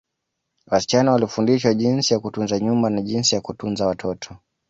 Wasichana walifundishwa jinsi ya kutunza nyumba na jinsi ya kutunza watoto